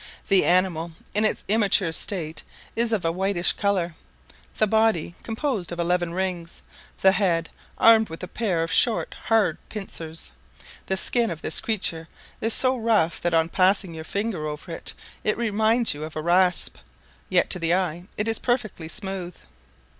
The animal in its immature state is of a whitish colour, the body composed of eleven rings; the head armed with a pair of short, hard pincers: the skin of this creature is so rough that on passing your finger over it, it reminds you of a rasp, yet to the eye it is perfectly smooth.